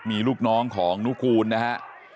มีลูกน้องของนุกูลนะฮะ